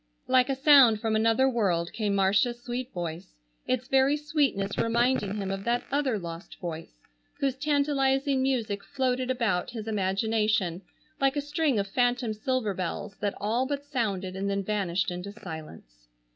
Like a sound from another world came Marcia's sweet voice, its very sweetness reminding him of that other lost voice, whose tantalizing music floated about his imagination like a string of phantom silver bells that all but sounded and then vanished into silence.